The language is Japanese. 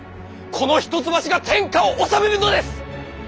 この一橋が天下を治めるのです！